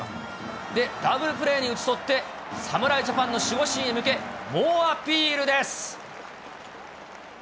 ダブルプレーに打ち取って侍ジャパンの守護神へ向け、猛アピールです。